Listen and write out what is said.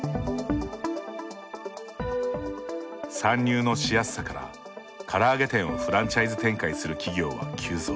参入のしやすさからから揚げ店をフランチャイズ展開する企業は急増。